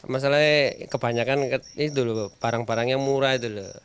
masalahnya kebanyakan itu loh barang barangnya murah itu loh